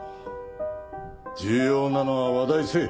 重要なのは話題性。